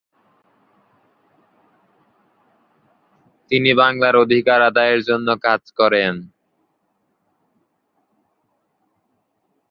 তিনি বাংলার অধিকার আদায়ের জন্য কাজ করেন।